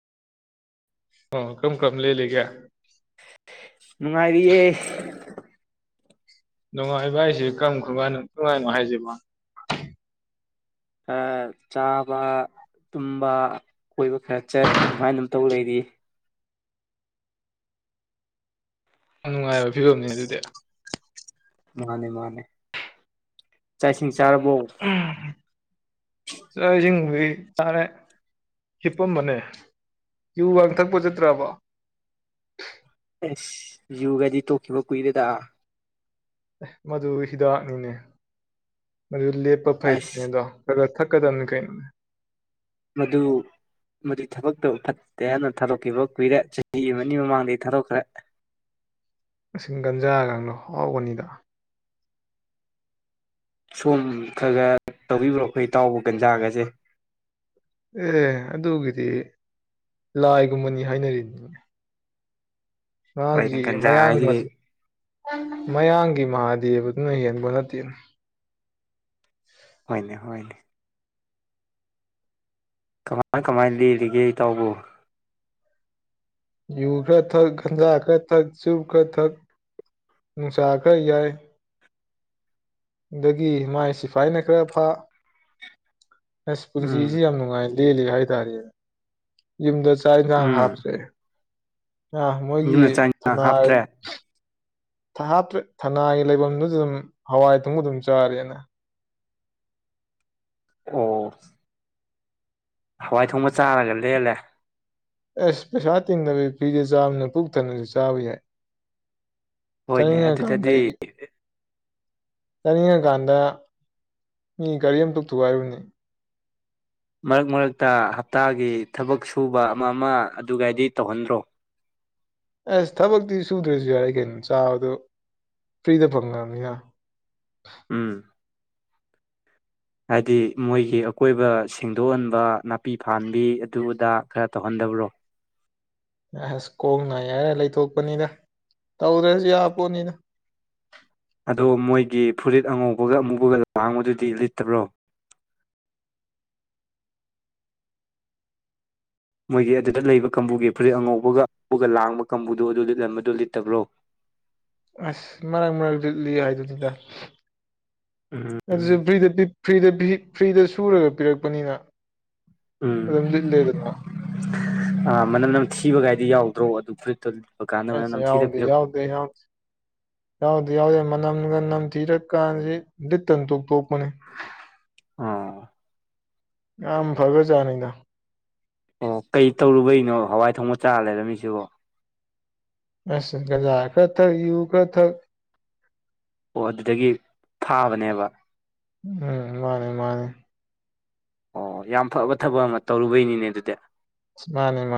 ꯑꯣ ꯀꯝ ꯀꯝ ꯂꯩ ꯂꯩꯒꯦ ꯅꯨꯡꯉꯥꯏꯔꯤꯌꯦ ꯅꯨꯡꯉꯥꯏꯕ ꯑꯩꯁꯦ ꯀꯔꯝ ꯀꯔꯝꯕꯥꯟ ꯅꯨꯡꯉꯥꯏꯅꯣ ꯍꯥꯏꯁꯤꯕꯣ ꯈꯔ ꯆꯥꯕ ꯇꯨꯝꯕ ꯀꯣꯏꯕ ꯈꯔ ꯆꯠ ꯑꯗꯨꯃꯥꯏꯅ ꯑꯗꯨꯝ ꯇꯧ ꯂꯩꯔꯤ ꯌꯥꯝ ꯅꯨꯡꯉꯥꯏꯕ ꯐꯤꯕꯝꯅꯤ ꯑꯗꯨꯗꯤ ꯃꯥꯅꯦ ꯃꯥꯅꯦ ꯆꯥꯛ ꯏꯁꯤꯡ ꯆꯥꯔꯕꯣ ꯆꯣꯏꯁꯤꯡ ꯍꯣꯏ ꯇꯔꯦ ꯍꯤꯞꯄꯝꯕꯅꯦ ꯀꯨ ꯋꯥꯡ ꯊꯛꯄ ꯆꯠꯇ꯭ꯔꯕ ꯑꯁ ꯌꯣꯒꯗꯤ ꯇꯣꯛꯈꯤꯕ ꯀꯨꯏꯔꯦꯗ ꯑꯦ ꯃꯗꯨ ꯍꯤꯗꯥꯛꯅꯤꯅꯦ ꯃꯗꯨ ꯂꯦꯞꯄ ꯐꯩꯇꯅꯦ ꯑꯁ ꯑꯗꯣ ꯊꯀꯗꯅꯤ ꯀꯩ ꯃꯗꯨ ꯃꯗꯨ ꯊꯕꯛꯇ ꯐꯠꯇꯦ ꯍꯥꯏꯅ ꯊꯥꯗꯣꯛꯈꯤꯕ ꯀꯨꯏꯔꯦ ꯆꯍꯤ ꯑꯃꯅꯤ ꯃꯃꯥꯡꯗꯒꯤ ꯊꯥꯗꯣꯛꯈ꯭ꯔꯦ ꯃꯁꯤꯡ ꯒꯟꯖꯥꯒꯗꯣ ꯍꯥꯎꯕꯅꯤꯗ ꯁꯣꯝ ꯈꯔ ꯈꯔ ꯇꯧꯕꯤꯕ꯭ꯔꯣ ꯑꯩꯈꯣꯏ ꯏꯇꯥꯎꯕ ꯒꯟꯖꯥꯒꯁꯦ ꯑꯦ ꯑꯗꯨꯒꯤꯗꯤ ꯂꯥꯏꯒꯨꯝꯕꯅꯤ ꯍꯥꯏꯅꯔꯤꯅꯤ ꯍꯣꯏꯅꯦ ꯃꯥꯒꯤ ꯒꯟꯖꯥ ꯃꯌꯥꯡ ꯍꯥꯏꯁꯤꯗꯤ ꯃꯌꯥꯡꯒꯤ ꯃꯍꯥꯗꯦꯕꯗꯨꯅ ꯍꯦꯟꯕ ꯅꯠꯇꯦꯅ ꯍꯣꯏꯅꯦ ꯍꯣꯏꯅꯦ ꯀꯃꯥꯏ ꯀꯃꯥꯏꯅ ꯂꯤꯔꯤꯒꯦ ꯏꯇꯥꯎꯕꯨ ꯌꯨ ꯈꯔ ꯊꯛ ꯒꯟꯖꯥ ꯈꯔ ꯊꯛ ꯆꯨꯞ ꯈꯔ ꯊꯛ ꯅꯨꯡꯁꯥ ꯈꯔ ꯌꯥꯏ ꯑꯗꯒꯤ ꯃꯥꯏ ꯁꯤꯐꯥꯏꯅ ꯈꯔ ꯐ ꯑꯁ ꯎꯝ ꯄꯨꯟꯁꯤꯁꯤ ꯌꯥꯝ ꯅꯨꯡꯉꯥꯏ ꯂꯤ ꯂꯤ ꯍꯥꯏꯇꯥꯔꯦ ꯌꯨꯝꯗ ꯆꯥꯛ ꯏꯟꯁꯥꯡ ꯎꯝ ꯍꯥꯞꯇ꯭ꯔꯦ ꯑ ꯃꯣꯏꯒꯤ ꯌꯨꯝꯅ ꯆꯥꯛ ꯏꯟꯁꯥꯡ ꯊꯅꯥꯜ ꯍꯥꯞꯇ꯭ꯔꯦ ꯍꯥꯞꯇ꯭ꯔꯦ ꯊꯅꯥꯒꯤ ꯂꯩꯐꯝꯗꯨꯁꯨ ꯑꯗꯨꯝ ꯍꯋꯥꯏ ꯊꯨꯡꯕ ꯑꯗꯨꯝ ꯆꯥꯔꯅ ꯑꯣ ꯍꯋꯥꯏ ꯊꯣꯡꯕ ꯆꯥꯔꯒ ꯂꯦꯜꯂꯦ ꯑꯁ ꯄꯩꯁꯥ ꯇꯤꯡꯗꯕꯤꯒꯤ ꯐꯔꯤꯗ ꯆꯥꯝꯅ ꯄꯨꯣꯛꯊꯅꯁꯨ ꯆꯥꯕ ꯌꯥꯏ ꯍꯣꯏꯅꯦ ꯆꯅꯤꯡꯉꯦ ꯀꯥꯟꯗ ꯑꯗꯨꯗꯗꯤ ꯆꯥꯅꯤꯡꯉꯀꯥꯟꯗ ꯃꯤ ꯒꯥꯔꯤ ꯑꯝꯇ ꯊꯨꯒꯥꯏꯔꯤꯕꯅꯤ ꯃꯔꯛ ꯃꯔꯛꯇ ꯍꯞꯇꯥꯒꯤ ꯊꯕꯛ ꯁꯨꯕ ꯑꯃ ꯑꯃ ꯑꯗꯨꯥꯏꯗꯤ ꯇꯧꯍꯟꯗ꯭ꯔꯣ ꯑꯁ ꯊꯕꯛꯇꯤ ꯁꯨꯗ꯭ꯔꯁꯨ ꯌꯥꯔꯦ ꯀꯩꯅꯣ ꯆꯥꯕꯗꯨꯣ ꯐ꯭ꯔꯤꯗ ꯐꯪꯈ꯭ꯔꯕꯅꯤꯅ ꯎꯝ ꯍꯥꯏꯗꯤ ꯃꯣꯏꯒꯤ ꯑꯀꯣꯏꯕ ꯁꯦꯡꯗꯣꯛꯍꯟꯕ ꯅꯥꯄꯤ ꯐꯍꯟꯕꯤ ꯑꯗꯨꯗꯥ ꯈꯔ ꯇꯧꯍꯟꯗꯕ꯭ꯔꯣ ꯌꯥ ꯑꯁ ꯀꯣꯡ ꯅꯥꯏ ꯍꯥꯏꯔꯦ ꯂꯩꯊꯣꯛꯄꯅꯤꯗ ꯇꯧꯗ꯭ꯔꯁꯨ ꯌꯥ ꯄꯣꯠꯅꯤꯅ ꯑꯗꯣ ꯃꯣꯏꯒꯤ ꯐꯨꯔꯤꯠ ꯑꯉꯧꯕꯒ ꯑꯃꯨꯕꯒ ꯂꯥꯡꯕꯗꯨꯗꯤ ꯂꯤꯠꯇꯕ꯭ꯔꯣ ꯃꯣꯏꯒꯤ ꯑꯗꯨꯗ ꯂꯩꯕ ꯀꯥꯡꯕꯨꯒꯤ ꯐꯨꯔꯤꯠ ꯑꯉꯧꯕꯒꯒ ꯂꯥꯡꯕ ꯀꯥꯡꯕꯨꯗꯨꯣ ꯑꯗꯨ ꯂꯤꯠꯂꯝꯟꯕꯗꯨꯣ ꯂꯤꯠꯇꯕ꯭ꯔꯣ [inaudible] ꯑꯁ ꯃꯔꯛ ꯃꯔꯛ ꯂꯤꯠꯂꯤ ꯍꯥꯏꯗꯨꯅꯤꯗ ꯎꯝ ꯑꯗꯨꯁꯨ ꯐꯕ꯭ꯔꯤꯗ ꯐ꯭ꯔꯤꯗ ꯐ꯭ꯔꯤꯗ ꯁꯨꯔꯒ ꯄꯤꯔꯛꯄꯅꯤꯅ ꯎꯝ ꯑꯗꯨꯝ ꯂꯤꯠꯂꯦꯗꯅ ꯑ ꯃꯅꯝ ꯅꯝ ꯊꯤꯕꯒꯥꯏꯗꯤ ꯌꯥꯎꯗ꯭ꯔꯣ ꯑꯗꯨ ꯈꯨꯨꯔꯤꯠꯇꯨ ꯀꯥꯟꯅꯕ ꯅ ꯊꯤꯗꯔꯣ ꯑꯩꯍ ꯌꯥꯎꯗꯤ ꯌꯥꯎꯗꯦ ꯃꯅꯝꯒ ꯅꯝꯊꯤꯔꯀꯥꯟꯁꯤ ꯂꯤꯠ ꯇꯟ ꯇꯣꯛ ꯇꯣꯛꯄꯅꯦ ꯑꯣ ꯌꯥꯝ ꯐꯒ꯭ꯔꯖꯥꯅꯤꯗ ꯑꯣ ꯀꯩ ꯇꯧꯔꯨꯕꯩꯅꯣ ꯍꯋꯥꯏ ꯊꯣꯡꯕ ꯆꯥꯔ ꯂꯩꯔꯝꯃꯤꯁꯤꯕꯣ ꯑ ꯒꯖꯥ ꯈꯊꯛ ꯌꯨ ꯀꯊꯛ ꯑꯣ ꯑꯗꯨꯗꯒꯤ ꯐꯥꯕꯅꯦꯕ ꯎꯝ ꯃꯥꯅꯦ ꯃꯥꯅꯦ ꯑꯣ ꯌꯥꯝ ꯐꯕ ꯊꯕꯛ ꯑꯃ ꯇꯧꯔꯨꯕꯩꯅꯤꯅꯦ ꯑꯗꯨꯗꯤ ꯃꯥꯅꯦ ꯃꯥꯅꯦ